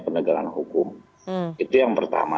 penegakan hukum itu yang pertama